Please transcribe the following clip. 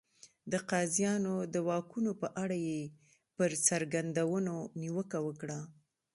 د قاضیانو د واکونو په اړه یې پر څرګندونو نیوکه وکړه.